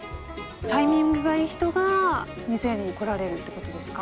タイミングがいい人が水やりに来られるってことですか？